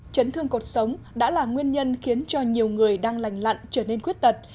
chấn thương cuộc sống đã là nguyên nhân khiến cho nhiều người đang lành lặn trở nên khuyết tật